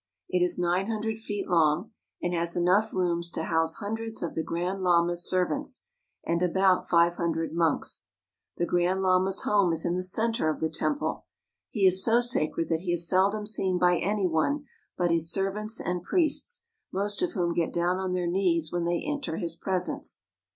It is nine hundred feet long, and has enough rooms to house hundreds of the Grand Lama's servants, and about five hundred monks. The Grand Lama's home is in the center of the temple. He is so sacred that he is seldom seen by any one but his servants and priests, most of whom get down on their knees when they enter his presence.